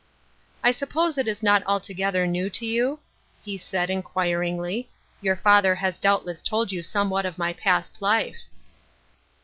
" I suppose it is not altogether new to you ?" he said, inquiringly. " Your father has doubt less told you somewhat of my past life."